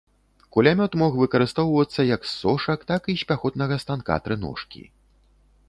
Кулямёт мог выкарыстоўвацца як з сошак, так і з пяхотнага станка-трыножкі.